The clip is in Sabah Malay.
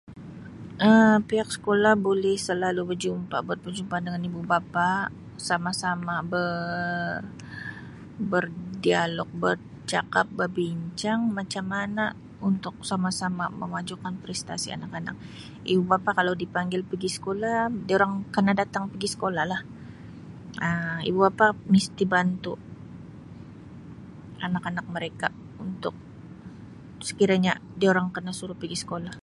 Um Pihak skolah boleh selalu bajumpa buat perjumpaan dengan ibu-bapa sama sama be-berdialog, bercakap, bebincang macam mana untuk sama-sama memajukan prestasi anak-anak ibu-bapa kalau dipanggil pigi skolah diorang kana datang pigi skolah lah Um ibu-bapa misti bantu anak-anak mereka untuk sekiranya diorang kana suruh pigi skolah.